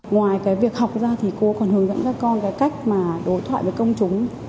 ngoài cái việc học ra thì cô còn hướng dẫn cho con cái cách mà đối thoại với công chúng